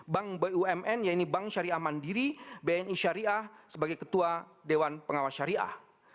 bank bumn yaitu bank syariah mandiri bni syariah sebagai ketua dewan pengawas syariah